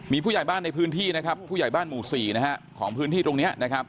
มีผู้ใหญ่บ้านในพื้นที่นะครับผู้ใหญ่บ้านหมู่๔นะฮะของพื้นที่ตรงนี้นะครับ